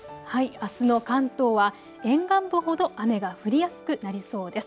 あすの関東は沿岸部ほど雨が降りやすくなりそうです。